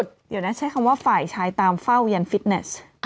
เดี๋ยวนะใช้คำว่าฝ่ายชายตามเฝ้ายันฟิตเนส